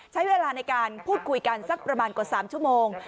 ใช้เวลาในการพูดคุยกันสักประมาณกว่า๓ชั่วโมง